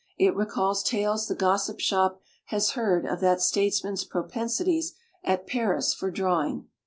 It recalls tales the Gos sip Shop has heard of that statesman's propensities at Paris for drawing.